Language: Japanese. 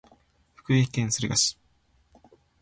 福井県敦賀市